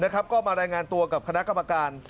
ก็มารายงานตัวกับคณะกรรมการ